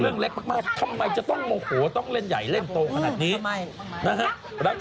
เรื่องเล็กมากทำไมจะต้องโมโหต้องเล่นใหญ่เล่นโตขนาดนี้